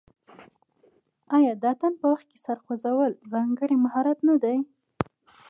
آیا د اتن په وخت کې د سر خوځول ځانګړی مهارت نه دی؟